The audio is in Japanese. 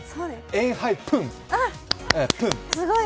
エンハイプン！